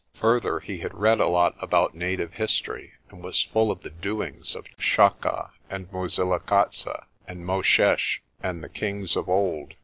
Further, he had read a lot about native history, and was full of the doings of Chaka and Mosilikatse and Moshesh, and the kings of old.